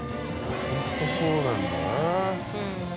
ホントそうなんだな。